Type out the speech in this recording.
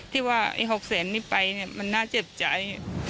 ที่ว่าไอ้๖แสนนี้ไปมันน่าเจ็บใจ